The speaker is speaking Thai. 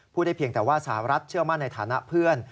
ได้เพียงแต่ว่าสหรัฐเชื่อมั่นในฐานะเพื่อน